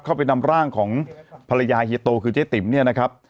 เข้าไปนำร่างของภรรยาเฮียโตคือเจ๊ติ๋มเนี่ยนะครับ